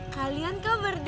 kalian ke berdua